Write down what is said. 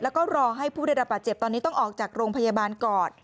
แล้วก็รอให้ผู้ได้รับบาดเจ็บตอนนี้ต้องออกจากโรงพยาบาลก่อน